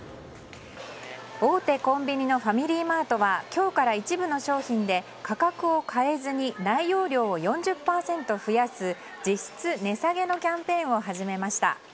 大手コンビニのファミリーマートは今日から一部の商品で価格を変えずに内容量を４０％増やす実質値下げのキャンペーンを始めました。